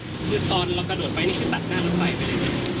คือตอนเรากระโดดไปนี่คือตัดหน้าตัวฟัยไหมครับ